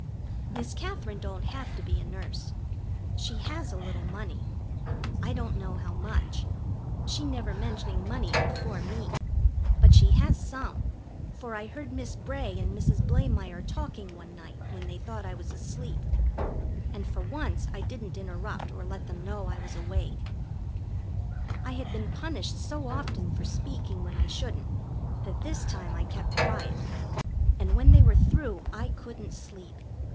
Miss Katherine don't have to be a nurse. She has a little money. I don't know how much, she never mentioning money before me; but she has some, for I heard Miss Bray and Mrs. Blamire talking one night when they thought I was asleep; and for once I didn't interrupt or let them know I was awake. I had been punished so often for speaking when I shouldn't that this time I kept quiet, and when they were through I couldn't sleep.